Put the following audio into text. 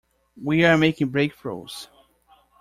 We are making breakthroughs.